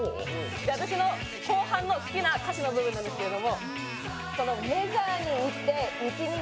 私の後半の好きな歌詞の部分なんですけど。